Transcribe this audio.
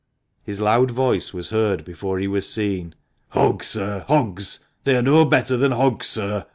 His loud voice was heard before he was seen. " Hogs, sir, hogs ! They are no better than hogs, sir!"